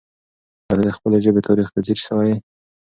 آیا ته د خپلې ژبې تاریخ ته ځیر سوی یې؟